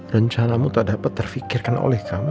rencanamu tak dapat terfikirkan oleh kami